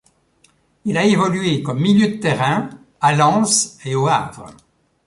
Il a évolué comme milieu de terrain à Lens et au Havre.